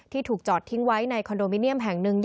ถูกจอดทิ้งไว้ในคอนโดมิเนียมแห่งหนึ่ง